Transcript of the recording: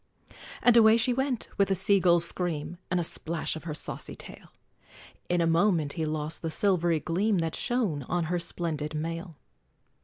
And away she went, with a sea gull's scream, And a splash of her saucy tail; In a moment he lost the silvery gleam That shone on her splended mail!